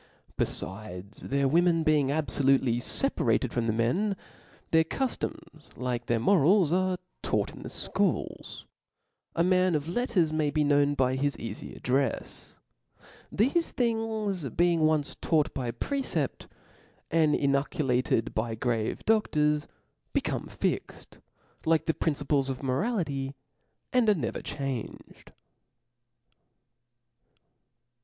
Befides, their women being abfolutely feparated from the men, their cuftoms, like their morals, are taught in C) Da the fchools. A man of (^) letters may be known ™^^^' by his eafy addrcfs. Thefe things being once taught by precept, and inculcated by grave dodors, be^ . come fixed, like the principles of morality, and are never changed.